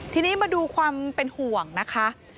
ทีนี้มาดูความเป็นห่วงนะคะ